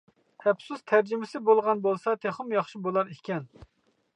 ئەپسۇس تەرجىمىسى بولغان بولسا تېخىمۇ ياخشى بولار ئىكەن.